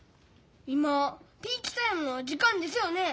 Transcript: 今ピーチタイムの時間ですよね？